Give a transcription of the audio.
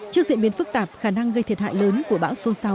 trước diễn biến phức tạp khả năng gây thiệt hại lớn của bão số sáu